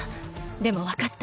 でもわかった。